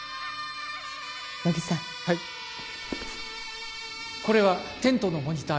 乃木さんはいこれはテントのモニター